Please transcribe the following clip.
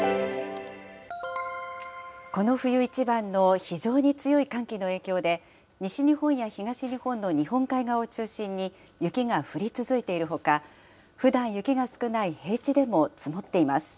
この冬一番の非常に強い寒気の影響で、西日本や東日本の日本海側を中心に雪が降り続いているほか、ふだん雪が少ない平地でも積もっています。